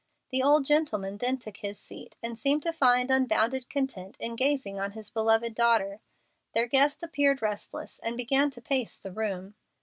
The old gentleman then took his seat, and seemed to find unbounded content in gazing on his beloved daughter. Their guest appeared restless and began to pace the room.